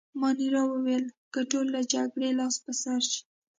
مانیرا وویل: که ټول له جګړې لاس په سر شي.